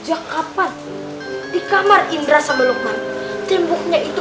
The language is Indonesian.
sejak kapan di kamar indra sama lukman temboknya itu itu